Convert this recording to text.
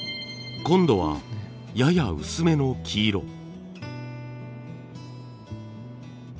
今度はやや薄めの黄色。